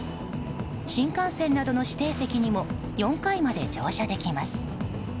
新幹線などの指定席にも４回まで乗車できます。